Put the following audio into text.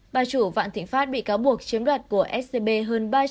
bà chủ vạn thịnh pháp bị cáo buộc chiếm đoạt của scb hơn ba trăm linh bốn tỷ đồng